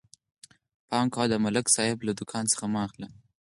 پام کوئ، د ملک صاحب له دوکان څه مه اخلئ.